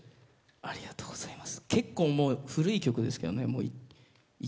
ありがとうございます。